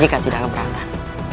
jika tidak keberatan